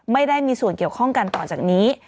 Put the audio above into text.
ไม่ได้มีส่วนเกี่ยวข้องกันต่อจากนี้